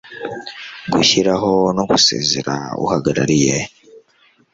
gushyiraho no gusezerera uhagarariye